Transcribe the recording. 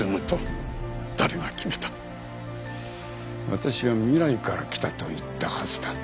私は未来から来たと言ったはずだ。